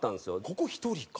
ここ１人か？